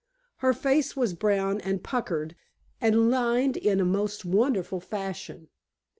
Her face was brown and puckered and lined in a most wonderful fashion.